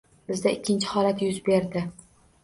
Bizda ikkinchi holat yuz berdi